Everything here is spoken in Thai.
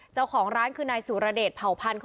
เจ้าของร้านคือนายสุรเดชเผ่าพันธ์